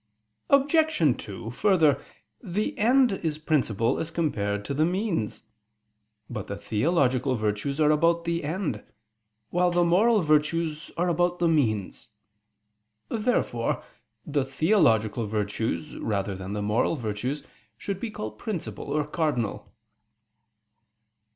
Obj. 2: Further, the end is principal as compared to the means. But the theological virtues are about the end; while the moral virtues are about the means. Therefore the theological virtues, rather than the moral virtues, should be called principal or cardinal.